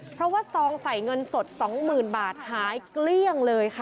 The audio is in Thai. เพราะว่าซองใส่เงินสด๒๐๐๐บาทหายเกลี้ยงเลยค่ะ